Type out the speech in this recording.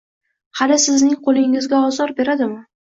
Hali sizning qo‘lingizga ozor beradimi…